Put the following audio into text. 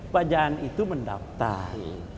pak jaan itu mendaftar